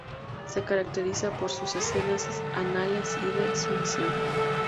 Se caracteriza por sus escenas anales y de sumisión.